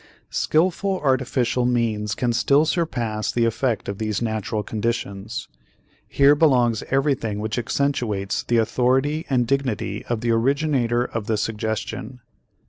Skillful artificial means can still surpass the effect of these natural conditions. Here belongs everything which accentuates the authority and dignity of the originator of the suggestion.